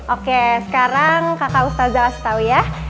oke sekarang kakak ustazah setahu ya